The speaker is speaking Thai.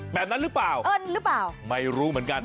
แบบนั้นหรือเปล่าไม่รู้เหมือนกัน